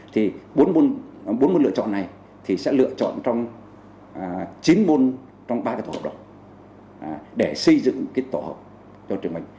thì bốn môn lựa chọn này thì sẽ lựa chọn trong chín môn trong ba cái tổ hợp đó để xây dựng cái tổ hợp cho trường mình